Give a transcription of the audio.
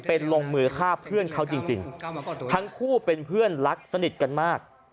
เป็นลงมือฆ่าเพื่อนเขาจริงทั้งคู่เป็นเพื่อนรักสนิทกันมาก